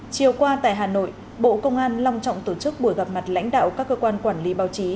chiều qua tại hà nội bộ công an long trọng tổ chức buổi gặp mặt lãnh đạo các cơ quan quản lý báo chí